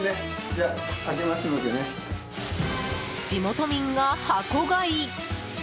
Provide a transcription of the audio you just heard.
地元民が箱買い！